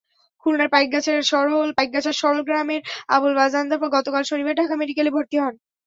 খুলনার পাইকগাছার সরল গ্রামের আবুল বাজনদার গতকাল শনিবার ঢাকা মেডিকেলে ভর্তি হন।